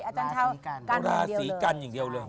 อาจารย์ชาวราศีกันอย่างเดียวเลย